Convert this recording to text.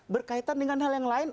berkaitan dengan hal yang lain